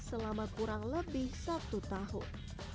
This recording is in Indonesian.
selama kurang lebih satu tahun